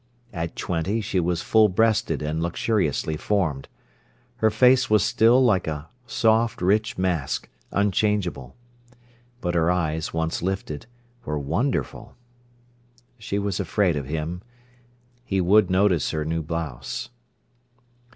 At twenty she was full breasted and luxuriously formed. Her face was still like a soft rich mask, unchangeable. But her eyes, once lifted, were wonderful. She was afraid of him. He would notice her new blouse.